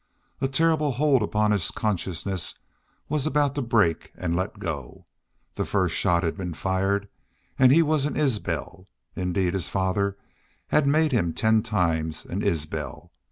A terrible hold upon his consciousness was about to break and let go. The first shot had been fired and he was an Isbel. Indeed, his father had made him ten times an Isbel.